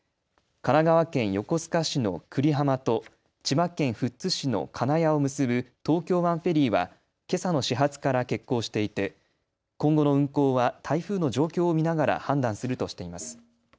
神奈川県横須賀市の久里浜と千葉県富津市の金谷を結ぶ東京湾フェリーはけさの始発から欠航していて今後の運航は台風の状況を見ながら判断するとしています。